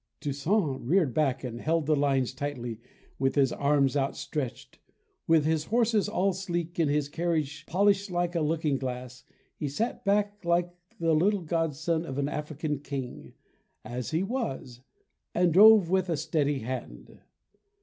Toussaint reared back and held the lines tightly with his arms outstretched. With his horses all sleek and his carriage polished like a looking glass, he sat back like the grandson of an African king, as he was, and drove with a steady hand.